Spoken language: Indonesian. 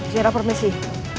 saya dapur mesih